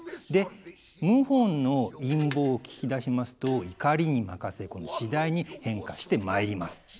で謀反の陰謀を聞き出しますと怒りに任せ次第に変化してまいります。